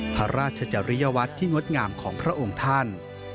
พระราชจริยวัตรที่งดงามของพระองค์ท่าน